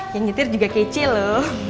yang nyetir juga kece lo